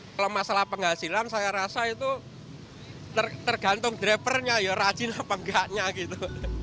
kalau masalah penghasilan saya rasa itu tergantung drivernya ya rajin apa enggaknya gitu